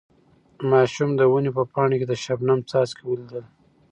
ماشوم د ونې په پاڼو کې د شبنم څاڅکي ولیدل.